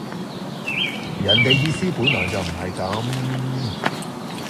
人地意思本來就唔係咁